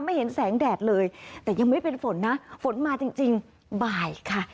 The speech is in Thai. เห็นแสงแดดเลยแต่ยังไม่เป็นฝนนะฝนมาจริงจริงบ่ายค่ะ